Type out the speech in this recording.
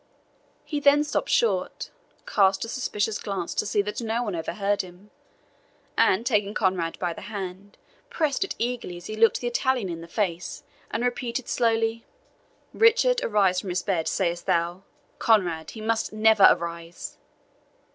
He then stopped short, cast a suspicious glance to see that no one overheard him, and taking Conrade by the hand, pressed it eagerly as he looked the Italian in the face, and repeated slowly, "Richard arise from his bed, sayest thou? Conrade, he must never arise!"